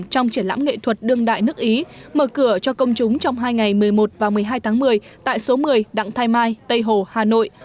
trong triển lãm nghệ thuật đương đại nước ý mở cửa cho công chúng trong hai ngày một mươi một và một mươi hai tháng một mươi tại số một mươi đặng thái mai tây hồ hà nội